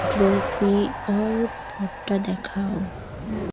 ড্রপিয়র, পথটা দেখাও!